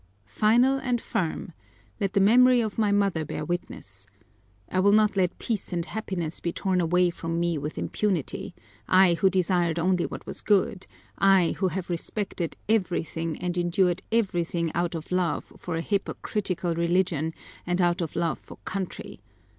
"Final and firm; let the memory of my mother bear witness! I will not let peace and happiness be torn away from me with impunity, I who desired only what was good, I who have respected everything and endured everything out of love for a hypocritical religion and out of love of country.